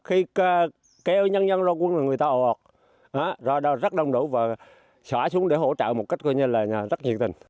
khi kêu nhân dân ra quân là người ta ồ ồ rồi rất đông đủ và xóa xuống để hỗ trợ một cách rất nhiệt tình